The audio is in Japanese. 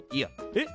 えっ？